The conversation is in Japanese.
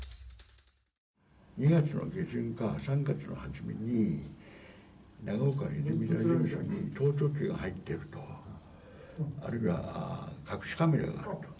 ２月の下旬か、３月の初めに、長岡、泉田事務所に盗聴器が入っていると、あるいは隠しカメラがあると。